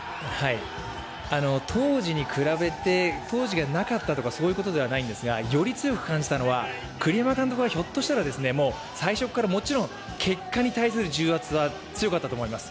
当時に比べて、当時がなかったとかそういうことではないんですがより強く感じたのは、栗山監督はひょっとしたら最初からもちろん、結果に対する重圧は強かったと思います。